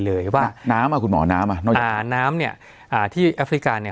ว่าน้ำอ่ะคุณหมอน้ำอ่ะน้องยาน้ำเนี่ยอ่าที่แอฟริกาเนี่ย